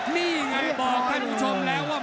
นี่ไงบอกท่านผู้ชมแล้วว่า